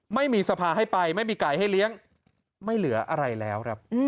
ไม่มีสภาให้ไปไม่มีไก่ให้เลี้ยงไม่เหลืออะไรแล้วครับ